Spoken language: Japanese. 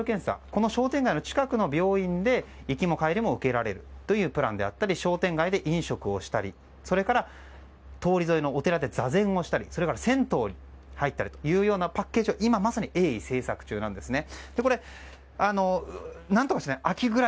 この商店街の近くの病院で行きも帰りも受けられるというプランであったり商店街で飲食をしたりそれから、通り沿いのお寺で座禅をしたりそれから、銭湯に入ったりというパッケージを鋭意、制作中なんですね。